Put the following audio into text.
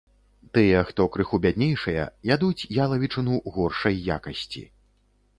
Тыя, хто крыху бяднейшыя, ядуць ялавічыну горшай якасці.